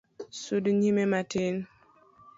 Sudi nyime matin.